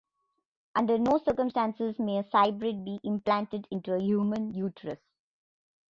Under no circumstances may a cybrid be implanted into a human uterus.